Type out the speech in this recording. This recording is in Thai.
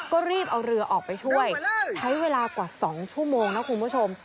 ก็รีบเอาเรือออกไปช่วยใช้เวลากว่า๒ชั่วโมงนะคุณผู้ชม